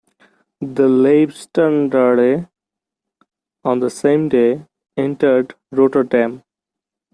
The "Leibstandarte" on the same day, entered Rotterdam.